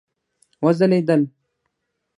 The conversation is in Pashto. وځلیدل